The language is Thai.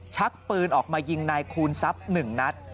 ชักปืนออกมายิงนายคูณทรัพย์๑นัด